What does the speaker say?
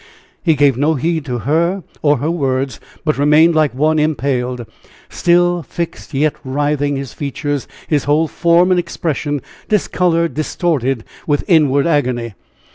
He gave no heed to her or her words, but remained like one impaled; still, fixed, yet writhing, his features, his whole form and expression discolored, distorted with inward agony.